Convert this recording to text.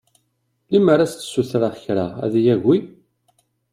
Lemmer ad s-ssutreɣ kra ad yagi?